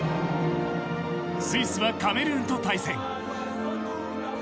スイスはカメルーンと対戦。